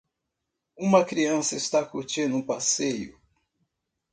Uma criança está curtindo um passeio.